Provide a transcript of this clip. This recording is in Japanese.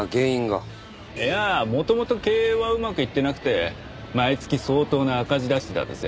いや元々経営はうまくいってなくて毎月相当な赤字出してたんですよ。